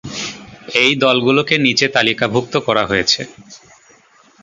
এই দলগুলোকে নিচে তালিকাভুক্ত করা হয়েছে।